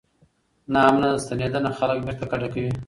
ناامنه ستنېدنه خلک بیرته کډه کوي.